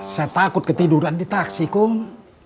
saya takut ketiduran di taksi kum